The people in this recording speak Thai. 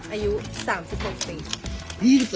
อายุ๓๖ปี